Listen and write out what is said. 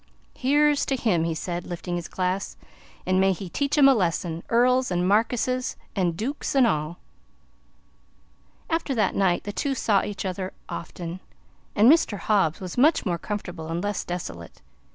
"Here's to HIM!" he said, lifting his glass, "an' may he teach 'em a lesson earls an' markises an' dooks an' all!" After that night, the two saw each other often, and Mr. Hobbs was much more comfortable and less desolate.